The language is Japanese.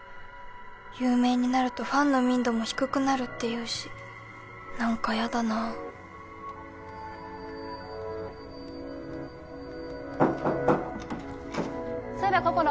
有名になるとファンの民度も低くなるって言うし・コンコンコンそういえば心音。